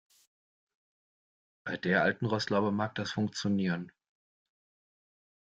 Bei der alten Rostlaube mag das funktionieren.